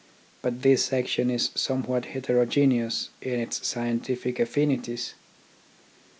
But this section is somewhat heterogeneous in its scientific affinities .